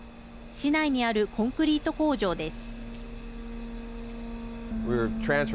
市内にあるコンクリート工場です。